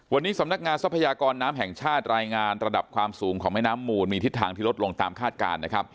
วันนี้สำนักงานทรัพยากรน้ำแห่งชาติรายงานระดับความสูงของแม่น้ำมูลมีทิศทางที่ลดลงตามคาดการณ์นะครับ